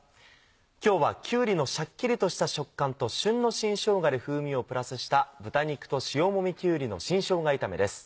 今日はきゅうりのシャッキリとした食感と旬の新しょうがで風味をプラスした「豚肉と塩もみきゅうりの新しょうが炒め」です。